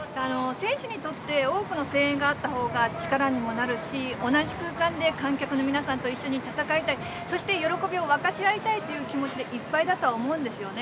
選手にとって、多くの声援があったほうが力にもなるし、同じ空間で観客の皆さんと一緒に戦いたい、そして喜びを分かち合いたいという気持ちでいっぱいだとは思うんですよね。